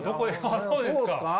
そうですか？